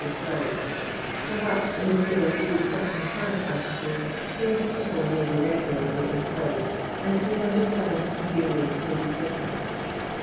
described, rerhaps, in the sale of these second hand articles, 20 people may be regularly employed, and 300/. yearly may be taken.